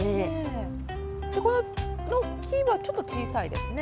この木はちょっと小さいですよね。